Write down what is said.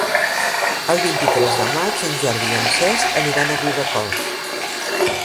El vint-i-tres de maig en Jordi i en Cesc aniran a Riudecols.